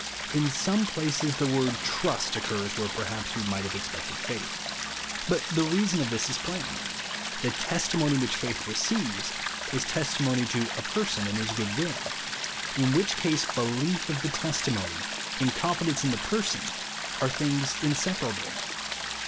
In some places the word trust cccars wher(3 perhaps we might have expected faith. But the reason of this is plain ; the testimon}^ which faith receives, is testimony to a person and his good will, in which case, belief of the testimony and confidence in the person are things inseparable.